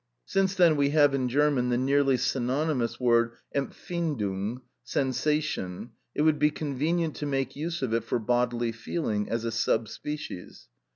Since then we have in German the nearly synonymous word empfindung (sensation), it would be convenient to make use of it for bodily feeling, as a sub species.